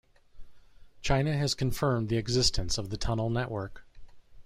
China has confirmed the existence of the tunnel network.